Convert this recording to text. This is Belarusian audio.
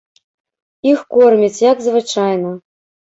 Іх кормяць, як звычайна.